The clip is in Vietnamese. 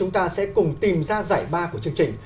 tập ba của chương trình